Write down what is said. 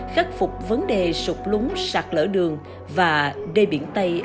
khắc phục vấn đề sụp lúng sạc lỡ đường và đê biển tây ở cà mau